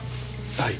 はい。